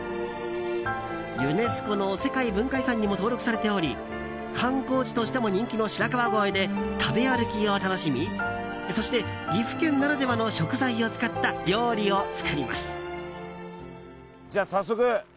ユネスコの世界文化遺産にも登録されており観光地としても人気の白川郷で食べ歩きを楽しみそして岐阜県ならではの食材を使った料理を作ります。